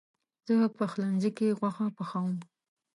زه پخلنځي کې غوښه پخوم.